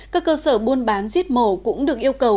các cơ sở buôn bán giết mổ cũng được yêu cầu